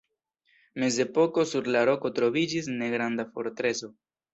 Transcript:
Mezepoke sur la roko troviĝis negranda fortreso.